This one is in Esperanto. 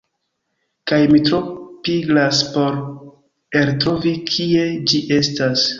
Kaj mi tro pigras por eltrovi kie ĝi estas.